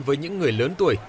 với những người lớn tuổi